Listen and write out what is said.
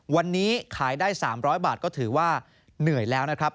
วันนี้ขายได้๓๐๐บาทก็ถือว่าเหนื่อยแล้วนะครับ